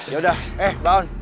yaudah eh lawan